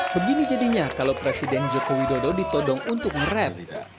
begini jadinya kalau presiden jokowi dodo ditodong untuk nge rap